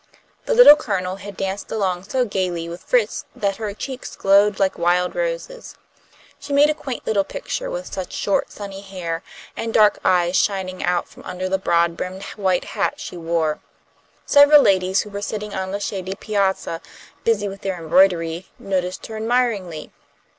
The Little Colonel had danced along so gaily with Fritz that her cheeks glowed like wild roses. She made a quaint little picture with such short sunny hair and dark eyes shining out from under the broad brimmed white hat she wore. Several ladies who were sitting on the shady piazza, busy with their embroidery, noticed her admiringly.